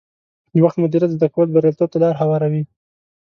د وخت مدیریت زده کول بریالیتوب ته لار هواروي.